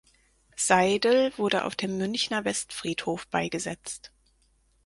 Seidel wurde auf dem Münchner Westfriedhof beigesetzt.